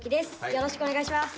よろしくお願いします。